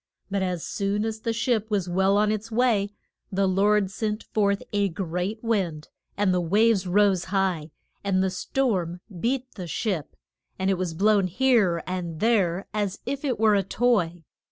But as soon as the ship was well on its way, the Lord sent forth a great wind, and the waves rose high, and the storm beat the ship, and it was blown here and there as if it were a toy.